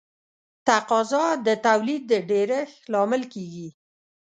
تقاضا د تولید د ډېرښت لامل کیږي.